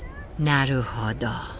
なるほど。